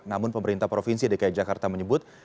namun pemerintah provinsi dki jakarta menyebut